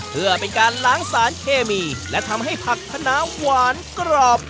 เพื่อเป็นการล้างสารเคมีและทำให้ผักขนาหวานกรอบ